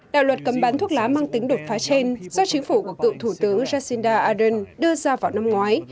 đạo luật cấm bán thuốc lá mang tính đột phá trên do chính phủ của cựu thủ tướng jacinda ardern đưa ra vào năm ngoái